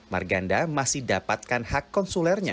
marganda masih dapatkan hak konsulernya